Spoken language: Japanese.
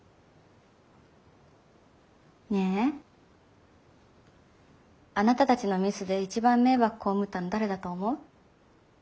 ねえあなたたちのミスで一番迷惑被ったの誰だと思う？